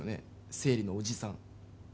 生理のおじさん。